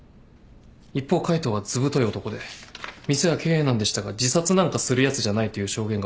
一方海藤はずぶとい男で店は経営難でしたが自殺なんかするやつじゃないという証言が多いんです。